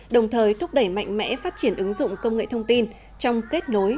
đồng thời thúc đẩy mạnh mẽ phát triển ứng dụng công nghệ thông tin trong kết nối